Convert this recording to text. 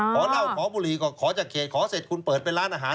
ขอเหล้าขอบุหรี่ก็ขอจากเขตขอเสร็จคุณเปิดเป็นร้านอาหาร